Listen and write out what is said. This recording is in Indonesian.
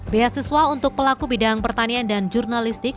beasiswa untuk pelaku bidang pertanian dan jurnalistik